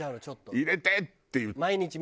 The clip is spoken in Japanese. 「入れて！」って言って。